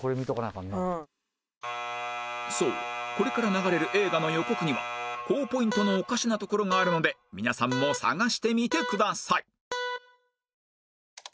そうこれから流れる映画の予告には高ポイントのおかしなところがあるので皆さんも探してみてください